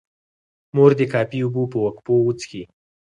مور دې کافي اوبه په وقفو وڅښي.